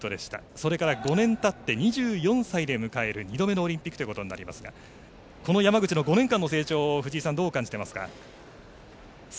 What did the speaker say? それから５年たって２４歳で迎える二度目のオリンピックとなりますがこの山口の５年間の成長をどうお感じになっていますか。